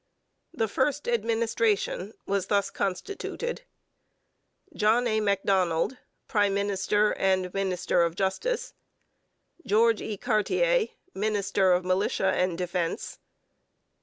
The first administration was thus constituted: JOHN A. MACDONALD, Prime Minister and Minister of Justice. GEORGE E. CARTIER, Minister of Militia and Defence.